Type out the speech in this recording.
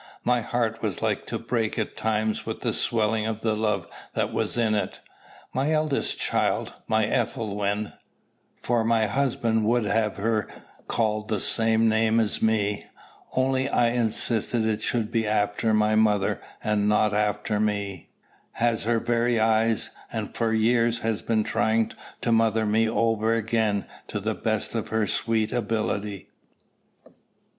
My heart was like to break at times with the swelling of the love that was in it. My eldest child, my Ethelwyn, for my husband would have her called the same name as me, only I insisted it should be after my mother and not after me, has her very eyes, and for years has been trying to mother me over again to the best of her sweet ability.